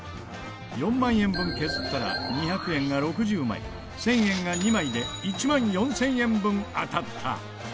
４万円分削ったら２００円が６０枚１０００円が２枚で１万４０００円分当たった。